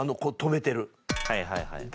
はいはいはい。